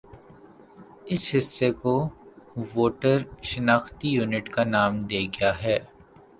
اس حصہ کو ووٹر شناختی یونٹ کا نام دیا گیا ہے